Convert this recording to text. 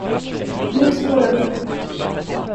Nu skålar vi.